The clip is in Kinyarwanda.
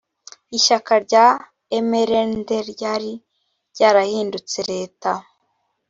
ishyaka rya mrnd ryari ryarahindutse leta